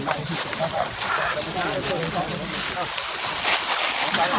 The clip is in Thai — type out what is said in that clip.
เดี๋ยวเดี๋ยวเดี๋ยว